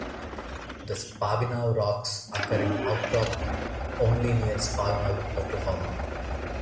The Spavinaw rocks occur in outcrop only near Spavinaw, Oklahoma.